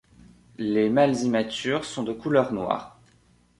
Les mâles immatures sont de couleur noire.